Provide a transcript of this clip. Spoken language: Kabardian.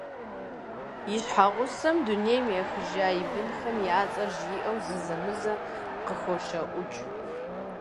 И щхьэгъусэм, дунейм ехыжа и бынхэм я цӏэр жиӏэу зэзэмызэ къыхощэӏукӏ.